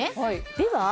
では。